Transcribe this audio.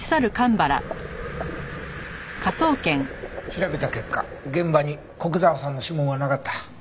調べた結果現場に古久沢さんの指紋はなかった。